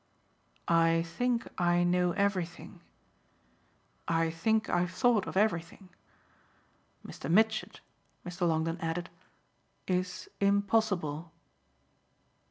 "I think I know everything I think I've thought of everything. Mr. Mitchett," Mr. Longdon added, "is impossible."